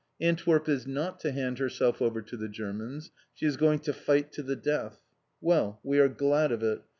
Antwerp is not to hand herself over to the Germans. She is going to fight to the death. Well, we are glad of it!